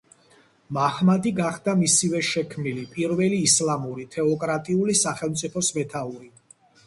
მაჰმადი გახდა მისივე შექმნილი პირველი ისლამური თეოკრატიული სახელმწიფოს მეთაური.